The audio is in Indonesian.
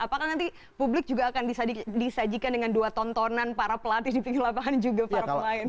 apakah nanti publik juga akan disajikan dengan dua tontonan para pelatih di pinggir lapangan juga para pemain